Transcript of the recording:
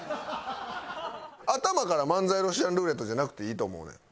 頭から「漫才ロシアンルーレット」じゃなくていいと思うねん。